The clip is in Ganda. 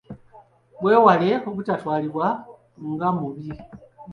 Weewale obutatwalibwa nga mubbi.